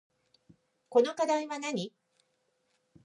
この課題はなに